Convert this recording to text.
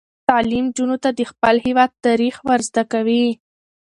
تعلیم نجونو ته د خپل هیواد تاریخ ور زده کوي.